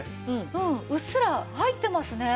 うんうっすら入ってますね。